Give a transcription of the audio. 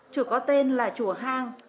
chùa có tên là chùa hang